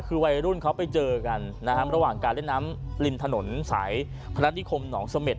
คือวัยรุ่นเขาไปเจอกันนะฮะระหว่างการเล่นน้ำริมถนนสายพนัฐนิคมหนองเสม็ด